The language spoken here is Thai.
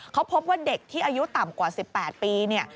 เขาพบว่าเด็กที่อายุต่ำกว่า๑๘ปีเนี่ย